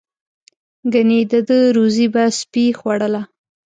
ګنې د ده روزي به سپي خوړله.